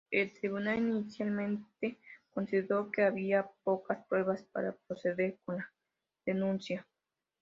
El tribunal inicialmente consideró que había pocas pruebas para proceder con la denuncia.